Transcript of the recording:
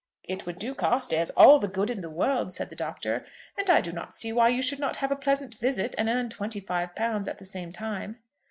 "It would do Carstairs all the good in the world," said the Doctor; "and I do not see why you should not have a pleasant visit and earn twenty five pounds at the same time."